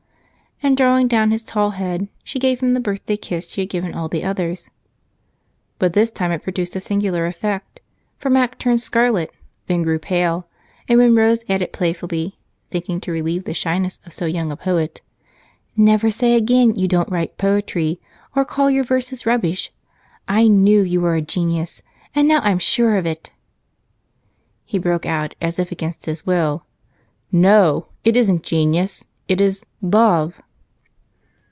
And, drawing down his tall head, she gave him the birthday kiss she had given all the others. But this time it produced a singular effect, for Mac turned scarlet, then grew pale, and when Rose added playfully, thinking to relieve the shyness of so young a poet, "Never again say you don't write poetry, or call your verses rubbish I knew you were a genius, and now I'm sure of it," he broke out, as if against his will: "No. It isn't genius, it is love!"